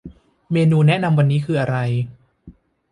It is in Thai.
เมนูแนะนำวันนี้คืออะไร